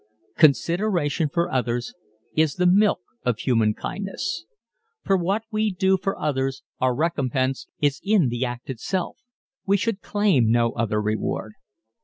Consideration for others is the milk of human kindness. For what we do for others our recompense is in the act itself ... we should claim no other reward.